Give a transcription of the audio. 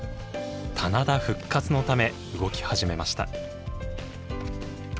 棚田復活のため動き始めました。